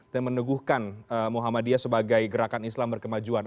dan meneguhkan muhammadiyah sebagai gerakan islam berkemajuan